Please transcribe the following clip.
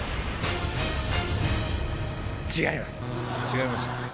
違いますね。